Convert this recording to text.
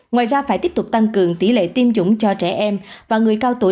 ngoài ra phải tiếp tục tăng cường tỷ lệ tiêm chủng cho trẻ em và người cao tuổi